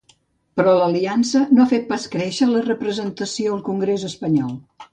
Però l’aliança no ha pas fet créixer la representació al congrés espanyol.